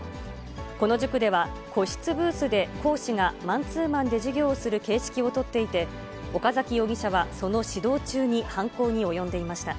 この塾では個室ブースで講師がマンツーマンで授業をする形式を取っていて、岡崎容疑者はその指導中に犯行に及んでいました。